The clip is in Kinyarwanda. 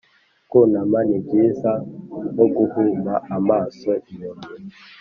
kunama ni byiza nko guhuma amaso impumyi